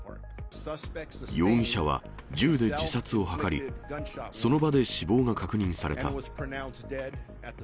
容疑者は銃で自殺を図り、その場で死亡が確認された。